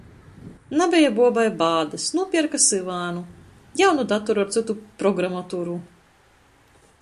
Nabeja buobai bādys, nūpierka syvānu. Jaunu datoru ar cytu programaturu.